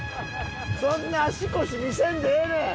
そんな足腰見せんでええねん！